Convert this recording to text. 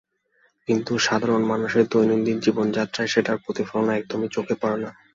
কিন্তু সাধারণ মানুষের দৈনন্দিন জীবনযাত্রায় সেটার প্রতিফলন একদমই চোখে পড়ে না।